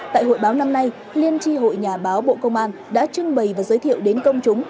tại hội báo năm nay liên tri hội nhà báo bộ công an đã trưng bày và giới thiệu đến công chúng